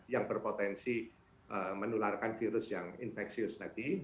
yang berpotensi menularkan virus yang infeksius tadi